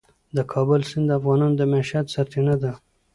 د کابل سیند د افغانانو د معیشت سرچینه ده.